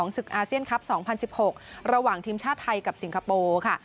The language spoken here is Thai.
ศึกอาเซียนคัพ๓๖๐ระหว่างทีมชาตรายกับสิงคโปร์